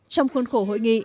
trong khuôn khổ hội nghị